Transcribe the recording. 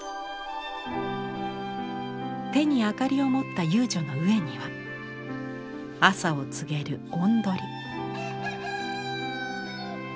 手に明かりを持った遊女の上には朝を告げる雄鶏。